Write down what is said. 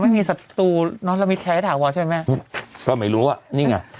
ไม่มีสัตว์ตูน้องละมิดแคะให้ถามบอกใช่ไหมแม่ก็ไม่รู้อ่ะนี่ไง